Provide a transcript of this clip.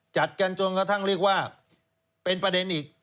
จัดกันจนกระทั่งเรียกว่าเป็นประเด็นอีก